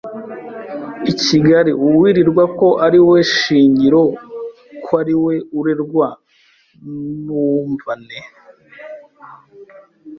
i Kigali! uwirwa ko ari we shingiro ko ari we urewa n’uwumvane